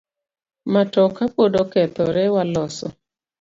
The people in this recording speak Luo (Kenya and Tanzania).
Matoka pod okethore waloso.